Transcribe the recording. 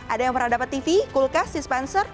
ada yang pernah dapat tv kulkas dispenser